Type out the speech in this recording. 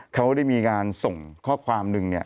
เขาได้มีการส่งข้อความหนึ่งเนี่ย